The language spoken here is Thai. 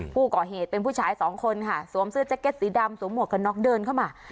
ผู้ก่อเหตุเป็นผู้ชายสองคนค่ะสวมเสื้อแจ็คเก็ตสีดำสวมหวกกันน็อกเดินเข้ามา